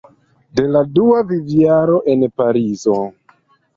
De la dua vivjaro en Parizo.